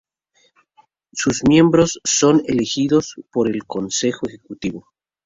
Sus miembros son elegidos por el consejo ejecutivo.